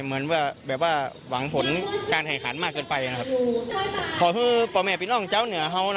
เหมือนว่าแบบว่าหวังผลการห่ายขาดมากเกินไปนะครับขอชื่อปรมแหดปิศาสตร์ของเจ้าเหนือฮาวนะ